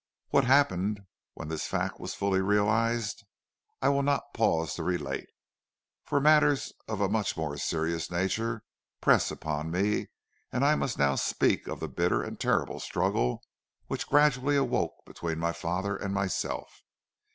"What happened when this fact was fully realized, I will not pause to relate, for matters of a much more serious nature press upon me and I must now speak of the bitter and terrible struggle which gradually awoke between my father and myself.